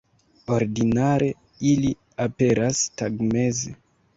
Ordinare ili aperas tagmeze.